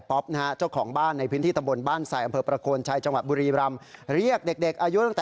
ก็ฉันเรียกมาก็ลูกคุณเข้ามาในบ้านฉันเข้ามานึกข้าวของอ่ะ